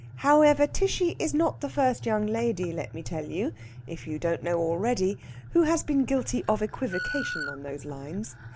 However, Tishy is not the first young lady, let me tell you if you don't know already who has been guilty of equivocation on those lines.